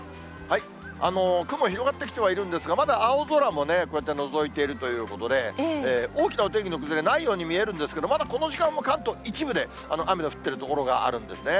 雲広がってきてはいるんですが、まだ青空もこうやってのぞいているということで、大きなお天気の崩れ、ないように見えるんですけれども、まだこの時間、関東の一部で雨の降っている所があるんですね。